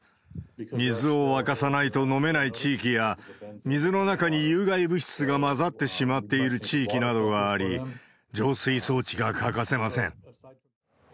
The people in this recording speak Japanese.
水を沸かさないと飲めない地域や、水の中に有害物質が混ざってしまっている地域があり、浄水装置が欠かせません。